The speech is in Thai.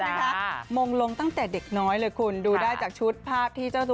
นะคะมงลงตั้งแต่เด็กน้อยเลยคุณดูได้จากชุดภาพที่เจ้าตัว